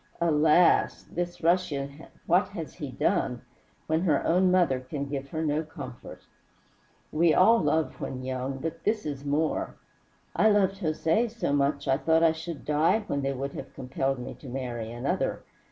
Alas! this Russian, what has he done, when her own mother can give her no comfort? We all love when young, but this is more. I loved Jose so much I thought I should die when they would have compelled me to marry another.